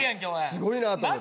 すごいなと。